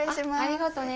ありがとね。